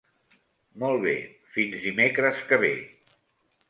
Molt bé; fins dimecres que ve.